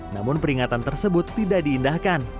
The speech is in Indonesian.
namun peringatan tersebut tidak diindahkan